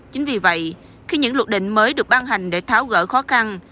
chính vì vậy khi những luật định mới được ban hành để tháo gỡ khó khăn